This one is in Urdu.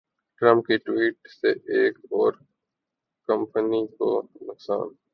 ٹرمپ کی ٹوئیٹ سے ایک اور کمپنی کو نقصان